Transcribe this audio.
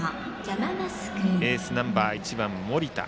エースナンバー１番の盛田。